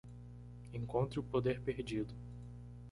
Encontre o poder perdido